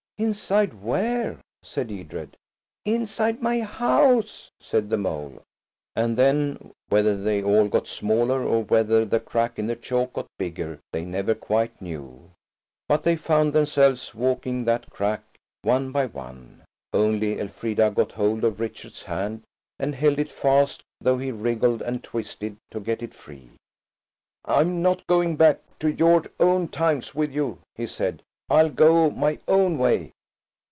"Inside where?" said Edred. "Inside my house," said the mole. And then, whether they all got smaller or whether the crack in the chalk got bigger they never quite knew, but they found themselves walking that crack one by one. Only Elfrida got hold of Richard's hand and held it fast, though he wriggled and twisted to get it free. "I'm not going back to your own times with you," he said. "I'll go my own way."